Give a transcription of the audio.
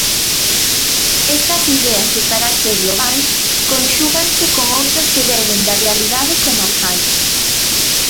Estas ideas de carácter global conxúganse con outras que beben da realidade comarcal.